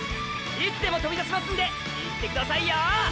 いつでもとびだしますんで言ってくださいよォ！！